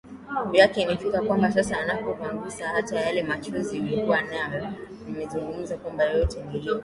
yake imefika kwamba sasa anakupangusa hata yale machozi uliyokuwa nayo nimezungumza kwamba yote niliyotendwa